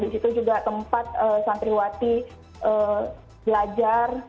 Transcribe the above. di situ juga tempat santriwati belajar